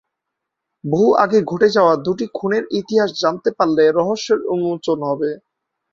বহু আগে ঘটে যাওয়া দুটি খুনের ইতিহাস জানতে পারলে রহস্যের উন্মোচন হবে।